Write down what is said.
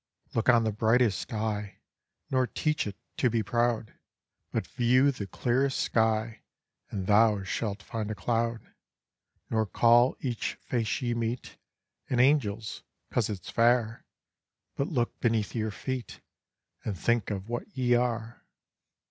Look on the brightest eye, Nor teach it to be proud, But view the clearest sky And thou shalt find a cloud; Nor call each face ye meet An angel's, 'cause it's fair, But look beneath your feet, And think of what ye are.